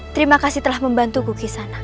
terima kasih telah membantuku kisana